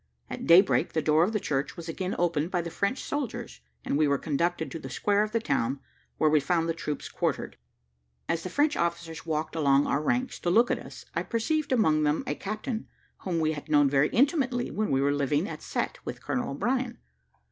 At daybreak, the door of the church was again opened by the French soldiers, and we were conducted to the square of the town, where we found the troops quartered. As the French officers walked along our ranks to look at us, I perceived among them a captain, whom we had known very intimately when we were living at Cette with Colonel O'Brien.